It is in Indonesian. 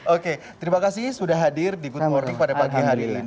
oke terima kasih sudah hadir di good morning pada pagi hari ini